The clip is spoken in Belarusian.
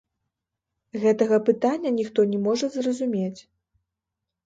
Гэтага пытання ніхто не можа зразумець.